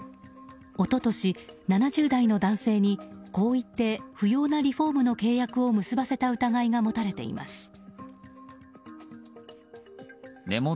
一昨年、７０代の男性にこう言って不要なリフォームの契約を結ばせた疑いが持たれています。